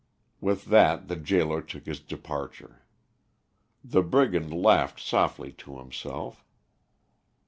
With that the gaoler took his departure. The brigand laughed softly to himself.